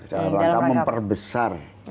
dalam rangka memperbesar